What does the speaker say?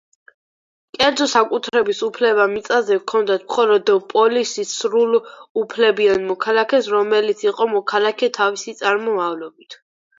კერძო საკუთრების უფლება მიწაზე ჰქონდათ მხოლოდ პოლისის სრულუფლებიან მოქალაქეს, რომელიც იყო მოქალაქე თავისი წარმომავლობით.